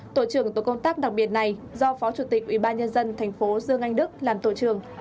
tổ trưởng tổ công tác đặc biệt này do phó chủ tịch ủy ban nhân dân thành phố dương anh đức làm tổ trưởng